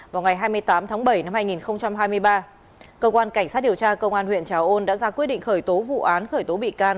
vào ngày hai mươi tám tháng bảy năm hai nghìn hai mươi ba cơ quan cảnh sát điều tra công an huyện trà ôn đã ra quyết định khởi tố vụ án khởi tố bị can